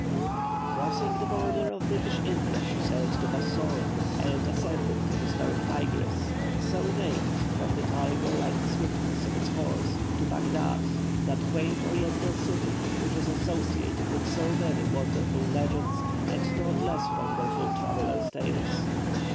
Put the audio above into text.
Crossing the border of British India, she sailed to Bassora, and ascended the historic Tigris so named from the tiger like swiftness of its course to Bagdad, that quaint Oriental city, which is associated with so many wonderful legends and not less wonderful "travellers' tales."